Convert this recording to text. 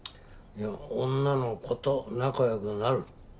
女の子と仲良くなる？